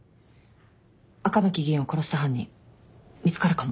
赤巻議員を殺した犯人見つかるかも。